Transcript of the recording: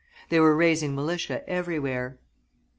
They were raising militia everywhere.